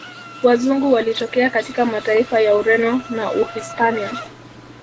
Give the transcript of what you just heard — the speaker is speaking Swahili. Wazungu walitokea katika mataifa ya Ureno na uhispania